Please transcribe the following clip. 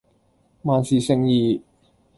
萬事勝意